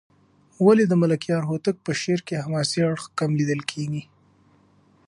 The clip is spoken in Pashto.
ولې د ملکیار هوتک په شعر کې حماسي اړخ کم لېدل کېږي؟